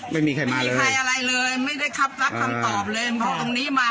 ไม่มีใครมาเลยอะไรเลยไม่ได้ครับรับคำตอบเลยข้าวดัง